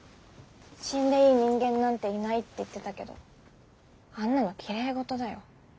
「死んでいい人間なんていない」って言ってたけどあんなのきれい事だよ。